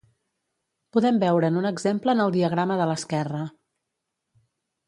Podem veure'n un exemple en el diagrama de l'esquerra.